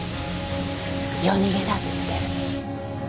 夜逃げだって。